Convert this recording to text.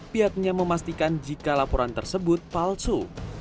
pihaknya memastikan jika laporan tersebut palsu